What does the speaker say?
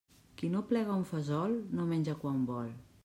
Qui no plega un fesol no menja quan vol.